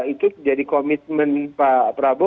itu jadi komitmen pak prabowo